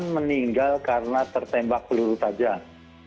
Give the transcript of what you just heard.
meninggal karena tertembak peluru tajam